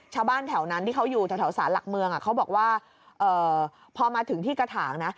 ชาวบ้านแถวนั้นที่เขาอยู่แถวสารหลักเมืองเขาบอกว่าพอมาถึงที่กระถางนะ